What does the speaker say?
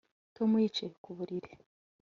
tom yicaye ku buriri